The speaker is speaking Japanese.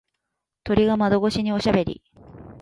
鳥が窓越しにおしゃべり。